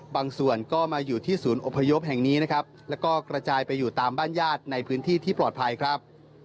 บางส่วนก็มาอยู่ที่ศูนย์อพยพแห่งนี้นะครับแล้วก็กระจายไปอยู่ตามบ้านญาติในพื้นที่ที่ปลอดภัยครับ